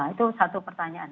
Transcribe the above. itu satu pertanyaan